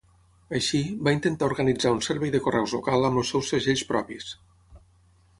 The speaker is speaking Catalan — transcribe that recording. Així, va intentar organitzar un servei de correus local amb els seus segells propis.